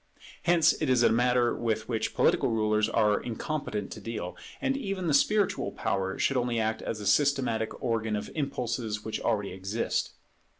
Hence it is a matter with which political rulers are incompetent to deal; and even the spiritual power should only act as the systematic organ of impulses which already exist.